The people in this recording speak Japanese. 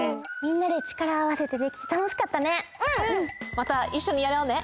またいっしょにやろうね。